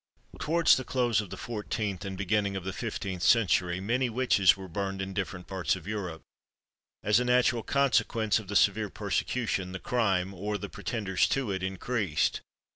Towards the close of the fourteenth and beginning of the fifteenth century, many witches were burned in different parts of Europe. As a natural consequence of the severe persecution, the crime, or the pretenders to it, increased.